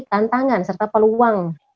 tantangan serta peluang